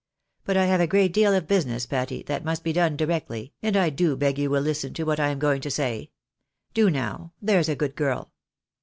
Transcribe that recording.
But I have a great deal of business, Patty, that must be done directly, and I do beg you will hsten to what I am going to say. Do now, there's a good girl